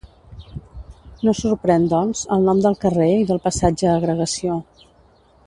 No sorprèn, doncs, el nom del carrer i del passatge Agregació.